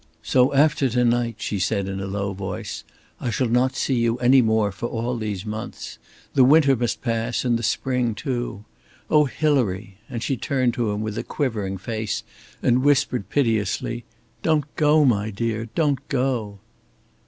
"So after to night," she said, in a low voice, "I shall not see you any more for all these months. The winter must pass, and the spring, too. Oh, Hilary!" and she turned to him with a quivering face and whispered piteously: "Don't go, my dear. Don't go!"